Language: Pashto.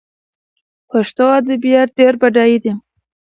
پښتو ادبيات ډېر بډايه دي.